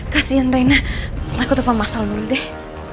kasian reina aku telfon masal dulu deh